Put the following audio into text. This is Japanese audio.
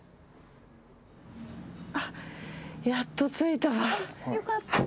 あっやっと付いたわ。